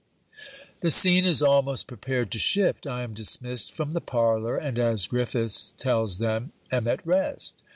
The scene is almost prepared to shift. I am dismissed from the parlour; and, as Griffiths tells them, am at rest.